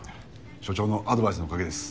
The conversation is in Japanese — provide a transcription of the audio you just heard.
署長のアドバイスのおかげです。